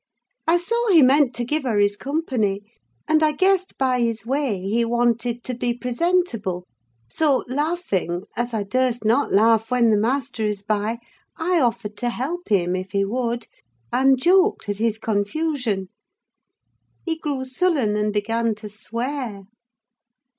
I saw he meant to give her his company; and I guessed, by his way, he wanted to be presentable; so, laughing, as I durst not laugh when the master is by, I offered to help him, if he would, and joked at his confusion. He grew sullen, and began to swear.